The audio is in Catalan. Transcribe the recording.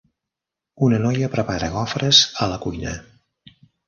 Una noia prepara gofres a la cuina.